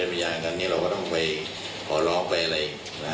เราก็ต้องไปขอร้องไปเลย